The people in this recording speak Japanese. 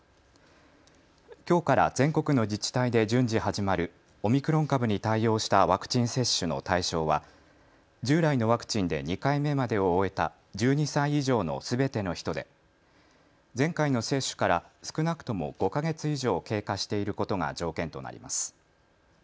きょうから全国の自治体で順次始まるオミクロン株に対応したワクチン接種の対象は従来のワクチンで２回目までを終えた１２歳以上のすべての人で前回の接種から少なくとも５か月以上、経過していることが条件となります。